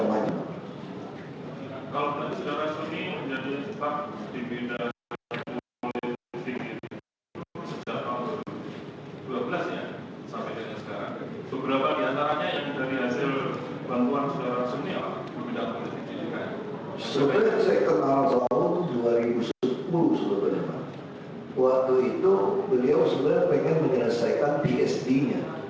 waktu itu beliau sebenarnya ingin mengerasakan bsd nya